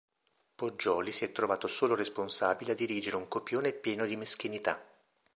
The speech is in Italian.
Poggioli si è trovato solo responsabile a dirigere un copione pieno di meschinità.